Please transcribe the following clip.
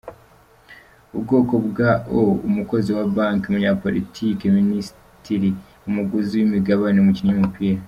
Ubwoko bwa O: umukozi wa Banki, umunyapolitiki, Minisitiri, umuguzi w’imigabane, umukinnyi w’umupira.